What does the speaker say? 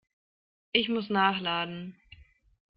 Ich muss nachladen.